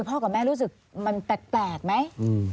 พ่อกับแม่รู้สึกแปลกไหม